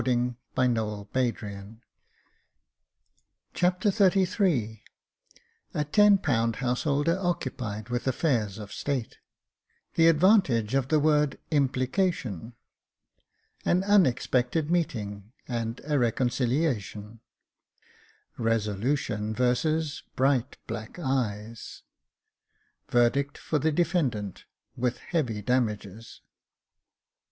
Jacob Faithful 309 Chapter XXXIII A ten pound householder occupied with affairs of State— the advantage of the word " implication "— An unexpected meeting and a reconciliation — Resolution versus bright black eyes— Verdict for the defendant, with heavy damages.